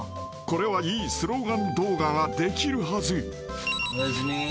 ［これはいいスローガン動画ができるはず］おやすみ。